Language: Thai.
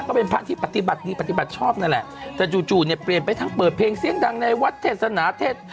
ก็เป็นพระที่ปฏิบัติดีปฏิบัติชอบนั่นแหละแต่จู่จู่เนี่ยเปลี่ยนไปทั้งเปิดเพลงเสียงดังในวัดเทศนาเทศ